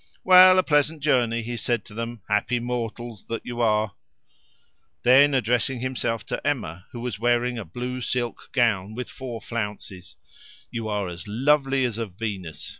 "Well, a pleasant journey!" he said to them; "happy mortals that you are!" Then addressing himself to Emma, who was wearing a blue silk gown with four flounces "You are as lovely as a Venus.